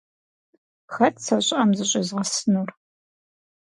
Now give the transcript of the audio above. Хэт сэ щӀыӀэм зыщӀезгъэсынур?